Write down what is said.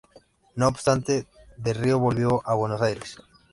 No obstante, de Río volvió a Buenos Aires.